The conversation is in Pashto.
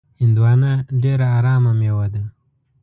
هندوانه ډېره ارامه میوه ده.